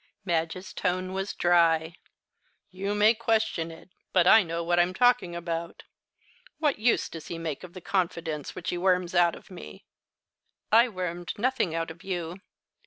Madge's tone was dry. "You may question it but I know what I'm talking about. What use does he make of the confidence which he worms out of me?" "I wormed nothing out of you."